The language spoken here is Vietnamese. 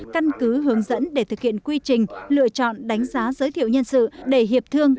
căn cứ hướng dẫn để thực hiện quy trình lựa chọn đánh giá giới thiệu nhân sự để hiệp thương